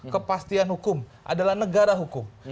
kepastian hukum adalah negara hukum